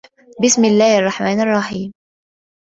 بِسمِ اللَّهِ الرَّحمنِ الرَّحيمِ الرَّحمنُ